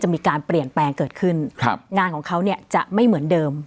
มีการเปลี่ยนแปลงเกิดขึ้นครับงานของเขาเนี่ยจะไม่เหมือนเดิม